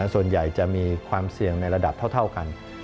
ส่วนใหญ่จะมีความเสี่ยงในระดับเท่ากัน